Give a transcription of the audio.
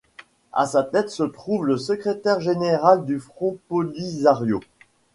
À sa tête se trouve le secrétaire général du Front Polisario.